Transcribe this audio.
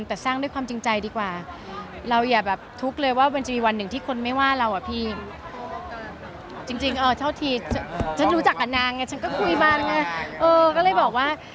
แต่สร้างด้วยความจริงใจดีกว่าเราอย่าแบบทุกเลยว่ามันจะมีวันหนึ่งที่คนไม่ว่าเรา